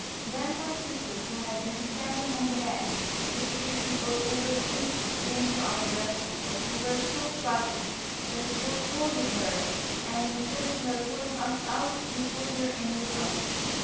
Then my sister, who had been standing on the bank to see if we got over safely, came to our rescue; but we were so frightened that we caught hold of her, and, instead of her pulling us out, we pulled her in with us.